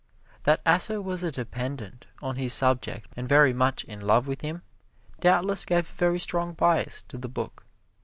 That Asser was a dependent on his subject and very much in love with him, doubtless gave a very strong bias to the book.